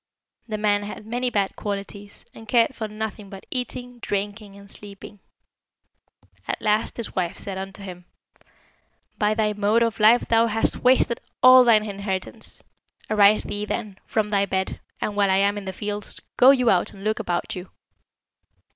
The man had many bad qualities, and cared for nothing but eating, drinking, and sleeping. At last his wife said unto him, 'By thy mode of life thou hast wasted all thine inheritance. Arise thee, then, from thy bed, and while I am in the fields, go you out and look about you!'